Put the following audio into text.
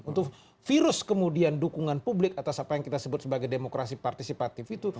untuk virus kemudian dukungan publik atas apa yang kita sebut sebagai demokrasi partisipatif itu